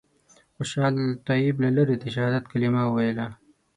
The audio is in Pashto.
خوشحال طیب له لرې د شهادت کلمه ویله.